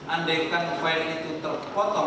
andai kan file itu terpotong